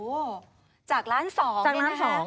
โอ้โฮจากร้าน๒นะครับ